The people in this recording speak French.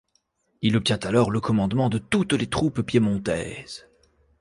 Il obtient alors le commandement de toutes les troupes piémontaises.